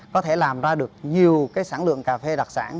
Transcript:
có thể làm ra được nhiều sản lượng cà phê đặc sản